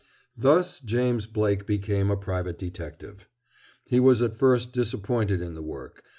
Thus James Blake became a private detective. He was at first disappointed in the work.